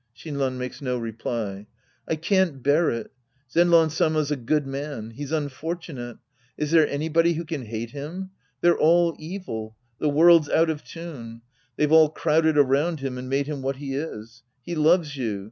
(Shinran makes no reply.) I can't bear it. Zenran Sama's a good man. He's unfortunate. Is there anybody who can hate him? They're all evil. The world's out of tune. They've all crowded around him and made him what he is. He loves you.